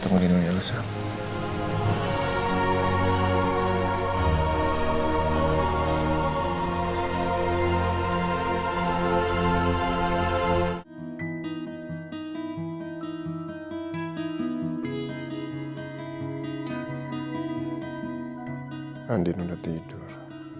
gak usah tidur